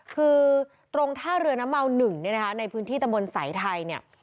คือตรงท่าเรือน้ำเมา๑เนี่ยนะคะในพื้นที่ตะมนต์สายไทยเนี่ย